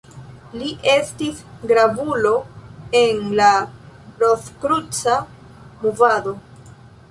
Li estis gravulo en la Rozkruca movado.